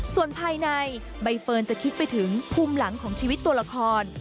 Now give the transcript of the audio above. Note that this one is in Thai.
ส่วนภายในใบเฟิร์นจะคิดไปถึงภูมิหลังของชีวิตตัวละคร